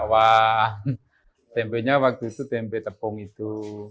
wah tempenya waktu itu tempe tepung itu